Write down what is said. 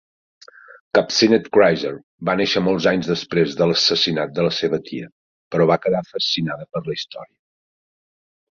Kupcinet-Kriser va néixer molts anys després de l'assassinat de la seva tia, però va quedar fascinada per la història.